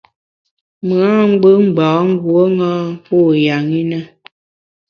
Mùn na ngbù ngbâ nguo ṅa pô ya ṅi na.